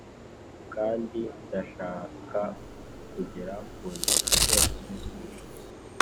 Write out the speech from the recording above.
kandi ndashaka kugera kuntego zose wifuza.